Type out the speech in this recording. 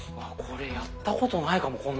これやったことないかも。